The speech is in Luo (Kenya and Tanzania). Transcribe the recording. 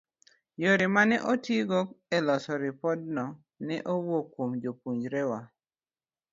yore ma ne otigo e loso ripodno ne owuok kuom jopuonjrewa